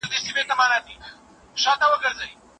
دوی له خپل تاريخ سره جفا وکړه.